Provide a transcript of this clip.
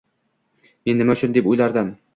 Men nima uchun deb o'ylardim